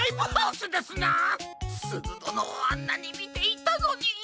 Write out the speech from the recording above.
すずどのをあんなにみていたのに。